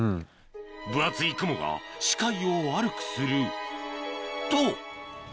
分厚い雲が視界を悪くすると！